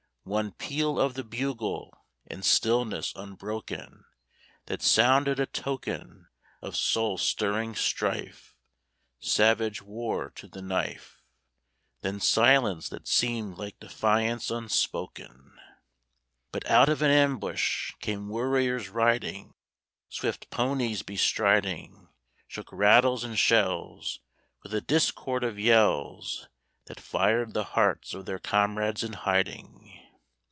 One peal of the bugle In stillness unbroken That sounded a token Of soul stirring strife, Savage war to the knife, Then silence that seemed like defiance unspoken. But out of an ambush Came warriors riding, Swift ponies bestriding, Shook rattles and shells, With a discord of yells. That fired the hearts of their comrades in hiding.